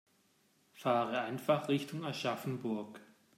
Fahre einfach Richtung Aschaffenburg